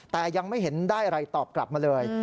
แต่ยังไม่เห็นได้อะไรตอบกลับมาเลย